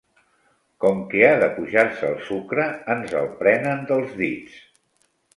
Com que ha d'apujar-se el sucre, ens el prenen dels dits.